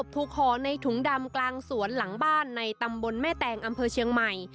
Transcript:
ห่อในถุงดำกลางสวนหลังบ้านในตำบลแม่แตงอำเภอเชียงใหม่